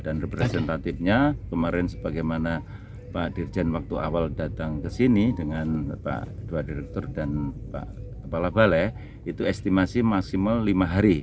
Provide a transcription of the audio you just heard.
dan representatifnya kemarin sebagaimana pak dirjen waktu awal datang ke sini dengan pak kedua direktur dan pak laba le itu estimasi maksimal lima hari